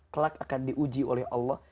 kelak akan diuji oleh allah